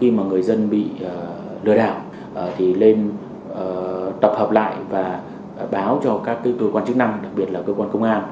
khi mà người dân bị lừa đảo thì lên tập hợp lại và báo cho các cơ quan chức năng đặc biệt là cơ quan công an